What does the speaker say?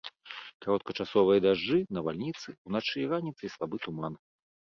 Кароткачасовыя дажджы, навальніцы, уначы і раніцай слабы туман.